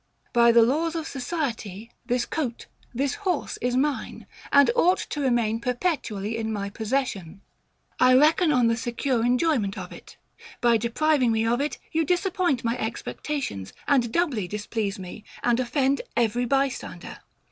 By the laws of society, this coat, this horse is mine, and OUGHT to remain perpetually in my possession: I reckon on the secure enjoyment of it: by depriving me of it, you disappoint my expectations, and doubly displease me, and offend every bystander.